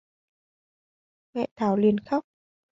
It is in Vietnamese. Mẹ Thảo liền khóc